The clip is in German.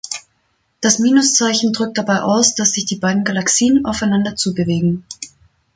Das Minuszeichen drückt dabei aus, dass sich die beiden Galaxien aufeinander zubewegen.